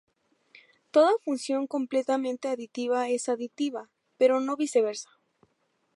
Toda función completamente aditiva es aditiva, pero no viceversa.